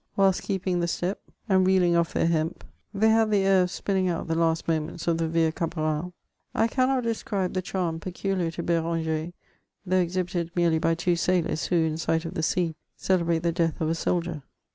Whilst keeping the step, and reeling off their hemp, they had the air of spinning out the last moments of the t^tetor caporal, I cannot describe the charm, peculiar to B^ranger, though exhibited merely by two sailors, who, in sight of the sea, celebrate the death of a soldier.